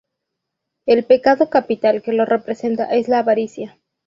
El pecado capital que lo representa es la Avaricia.